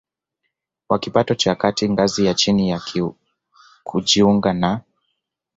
wa kipato cha kati ngazi ya chini na kujiunga na